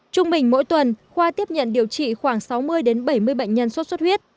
trung bình mỗi tuần khoa tiếp nhận điều trị khoảng sáu mươi bảy mươi bệnh nhân sốt xuất huyết